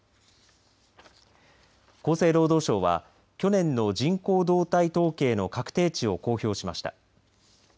厚生労働省は去年の人口動態統計の確定値を公表しました。